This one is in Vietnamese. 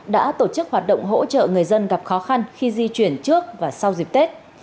đã tổ chức hoạt động hỗ trợ người dân gặp khó khăn khi di chuyển trước và sau dịp tết